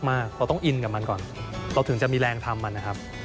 เราต้องอินกับมันก่อนเราถึงจะมีแรงทำมันนะครับ